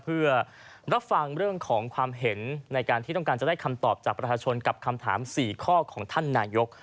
เพื่อรับฟังเรื่องของความเห็นในการที่ต้องการจะได้คำตอบจากประชาชนกับคำถาม๔ข้อของท่านนายก